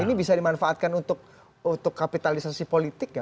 ini bisa dimanfaatkan untuk kapitalisasi politik nggak